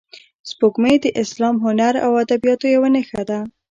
سپوږمۍ د اسلام، هنر او ادبیاتو یوه نښه ده